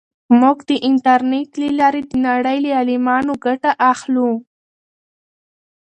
موږ د انټرنیټ له لارې د نړۍ له عالمانو ګټه اخلو.